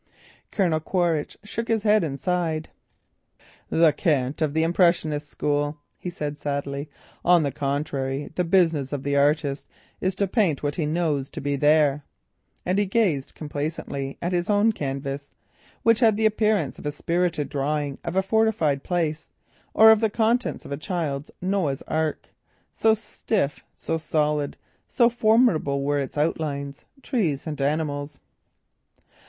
Colonel Quaritch shook his head and sighed. "The cant of the impressionist school," he said sadly; "on the contrary, the business of the artist is to paint what he knows to be there," and he gazed complacently at his own canvas, which had the appearance of a spirited drawing of a fortified place, or of the contents of a child's Noah's ark, so stiff, so solid, so formidable were its outlines, trees and animals.